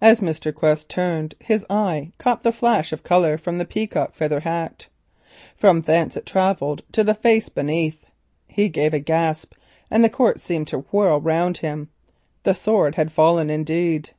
As Mr. Quest turned, his eye caught the flash of colour from the peacock feather hat. Thence it travelled to the face beneath. He gave a gasp, and the court seemed to whirl round him. The sword had fallen indeed!